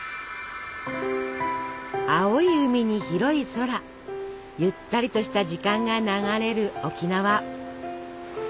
青い海に広い空ゆったりとした時間が流れる沖縄。